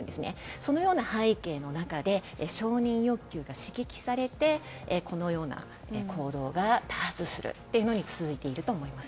そのような背景の中で承認欲求が刺激されてこのような行動が多発するというのに続いていると思います。